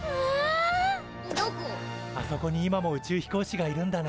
あそこにも今も宇宙飛行士がいるんだね。